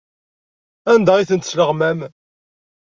Anda ay ten-tesleɣmam?